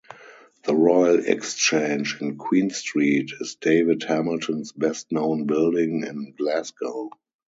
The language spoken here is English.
The Royal Exchange in Queen Street is David Hamilton's best known building in Glasgow.